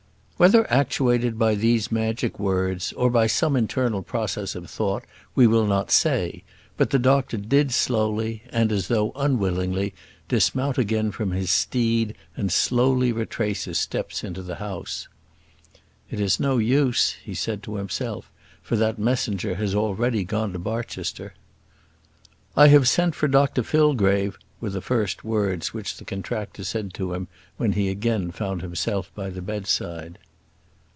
Whether actuated by these magic words, or by some internal process of thought, we will not say; but the doctor did slowly, and as though unwillingly, dismount again from his steed, and slowly retrace his steps into the house. "It is no use," he said to himself, "for that messenger has already gone to Barchester." "I have sent for Dr Fillgrave," were the first words which the contractor said to him when he again found himself by the bedside.